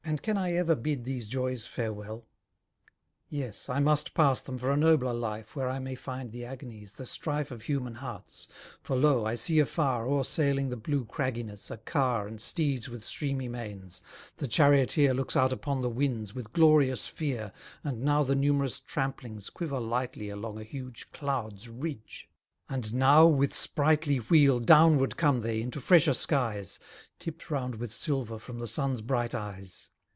And can I ever bid these joys farewell? Yes, I must pass them for a nobler life, Where I may find the agonies, the strife Of human hearts: for lo! I see afar, O'er sailing the blue cragginess, a car And steeds with streamy manes the charioteer Looks out upon the winds with glorious fear: And now the numerous tramplings quiver lightly Along a huge cloud's ridge; and now with sprightly Wheel downward come they into fresher skies, Tipt round with silver from the sun's bright eyes.